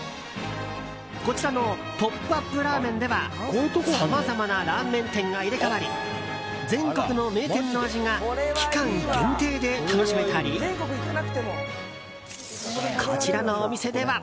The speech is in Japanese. こちらのＰＯＰＵＰラーメンではさまざまなラーメン店が入れ替わり全国の名店の味が期間限定で楽しめたりこちらのお店では。